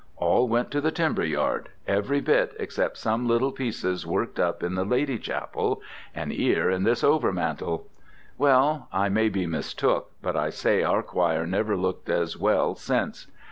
All went to the timber yard every bit except some little pieces worked up in the Lady Chapel, and 'ere in this overmantel. Well I may be mistook, but I say our choir never looked as well since.